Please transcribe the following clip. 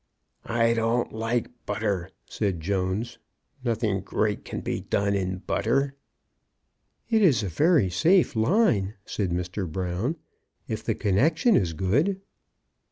"I don't like butter," said Jones. "Nothing great can be done in butter." "It is a very safe line," said Mr. Brown, "if the connection is good."